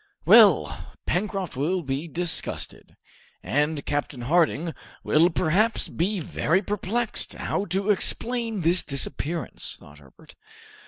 "Well, Pencroft will be disgusted!" "And Captain Harding will perhaps be very perplexed how to explain this disappearance," thought Herbert.